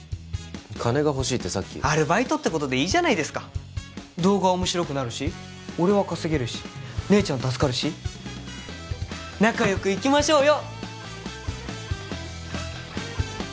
金が欲しいってさっきアルバイトってことでいいじゃないですか動画面白くなるし俺は稼げるし姉ちゃん助かるし仲よくいきましょうよ！